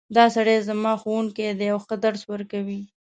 دا سړی زما ښوونکی ده او ښه درس ورکوی